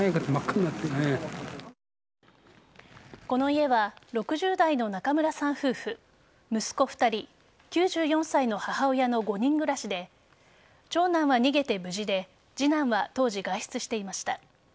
この家は６０代の中村さん夫婦息子２人９４歳の母親の５人暮らしで長男は逃げて無事で次男は当時、外出していました。